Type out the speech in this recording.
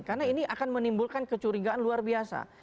karena ini akan menimbulkan kecurigaan luar biasa